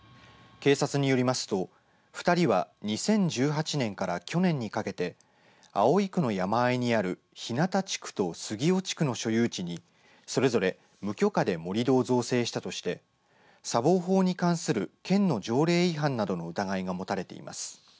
警察によりますと２人は２０１８年から去年にかけて葵区の山あいにある日向地区と杉尾地区の所有地にそれぞれ無許可で盛り土を造成したとして砂防法に関する県の条例違反などの疑いが持たれています。